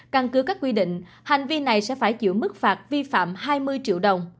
căn cứ các quy định hành vi này sẽ phải chịu mức phạt vi phạm hai mươi triệu đồng